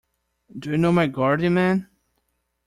Do you know my guardian, ma'am?